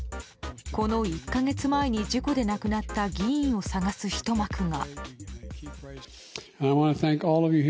この１か月前に亡くなった議員を捜す一幕が。